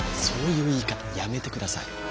そういう言い方やめてください。